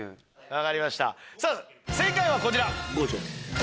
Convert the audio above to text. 分かりました正解はこちら。